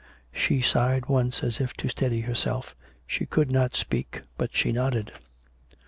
She sighed once as if to steady herself. She could not speak, but she nodded.